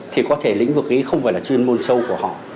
thì có thể lĩnh vực ấy không phải là chuyên môn sâu của họ